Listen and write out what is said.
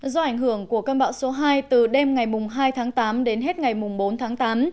do ảnh hưởng của cơn bão số hai từ đêm ngày hai tháng tám đến hết ngày bốn tháng tám